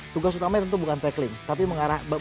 tugas utamanya tentu bukan tackling tapi membaca arah pasangan